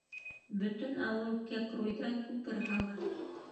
Бөтөн ауыл Кәкруйҙа күпер һала.